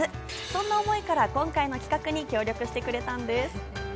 そんな思いから今回の企画に協力してくれたんです。